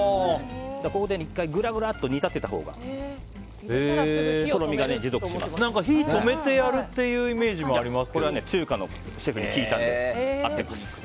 ここで１回グラグラっと煮立てたほうが火を止めてやるっていうこれは中華のシェフに聞いたんで合ってます。